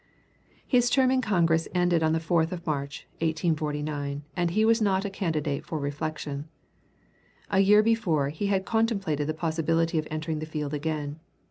] His term in Congress ended on the 4th of March, 1849, and he was not a candidate for reflection. A year before he had contemplated the possibility of entering the field again.